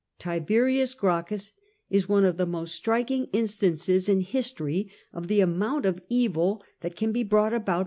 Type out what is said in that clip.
j Tiberius Gracchus is one of the most striking instances in history of the amount of evil that can be brought about